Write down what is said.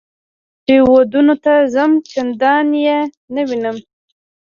چې ودونو ته ځم چندان یې نه وینم.